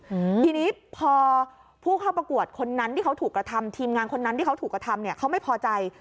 อืมทีนี้พอผู้เข้าประกวดคนนั้นที่เขาถูกกระทำทีมงานคนนั้นที่เขาถูกกระทำเนี้ยเขาไม่พอใจ